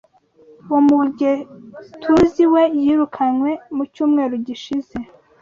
Uwo mugeTUZI we yirukanwe mu cyumweru gishize.